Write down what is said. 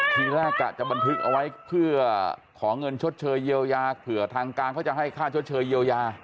ทีแรกกะจะบันทึกเอาไว้เพื่อขอเงินชดเชยเยียวยาเผื่อทางการเขาจะให้ค่าชดเชยเยียวยา